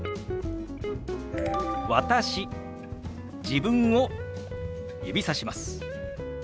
自分を指さします。